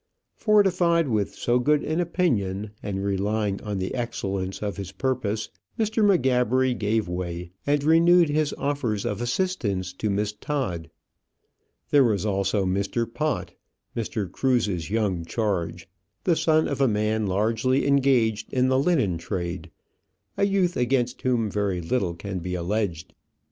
Fortified with so good an opinion, and relying on the excellence of his purpose, Mr. M'Gabbery gave way, and renewed his offers of assistance to Miss Todd. There was also Mr. Pott, Mr. Cruse's young charge, the son of a man largely engaged in the linen trade; a youth against whom very little can be alleged.